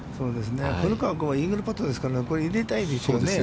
古川君はイーグルパットですから、これ、入れたいですよ